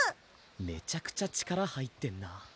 めちゃくちゃ力入ってんな